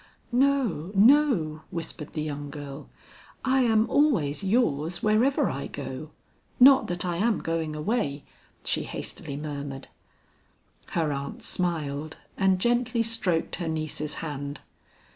"No, no," whispered the young girl, "I am always yours wherever I go. Not that I am going away," she hastily murmured. Her aunt smiled and gently stroked her niece's hand.